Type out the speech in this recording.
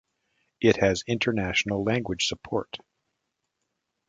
It has international language support.